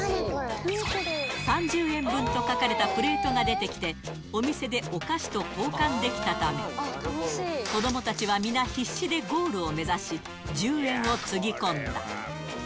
３０円分と書かれたプレートが出てきて、お店でお菓子と交換できたため、子どもたちは皆、必死でゴールを目指し、１０円をつぎ込んだ。